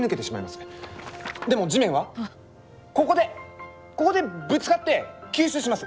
でも地面はここでここでぶつかって吸収します。